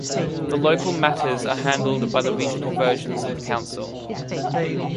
The local matters are handled by the regional versions of the council.